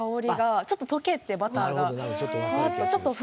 ちょっと溶けてバターが。